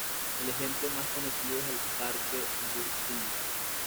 El ejemplo más conocido es el Parque Burnside.